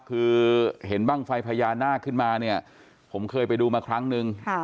คือเห็นบ้างไฟพญานาคขึ้นมาเนี่ยผมเคยไปดูมาครั้งนึง